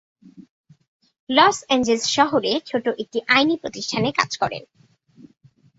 Loss Angeles শহরে ছোট একটি আইনি প্রতিষ্ঠানে কাজ করেন।